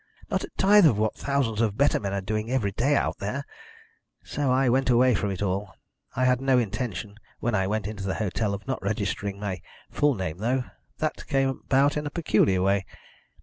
Not a tithe of what thousands of better men are doing every day out there. So I went away from it all. I had no intention, when I went into the hotel, of not registering in my full name though. That came about in a peculiar way.